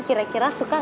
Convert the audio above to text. sini sudah sampai